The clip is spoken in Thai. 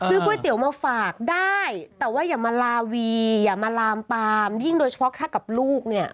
ก๋วยเตี๋ยวมาฝากได้แต่ว่าอย่ามาลาวีอย่ามาลามปามยิ่งโดยเฉพาะถ้ากับลูกเนี่ย